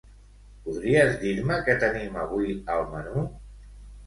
Podries dir-me què tenim avui al menú?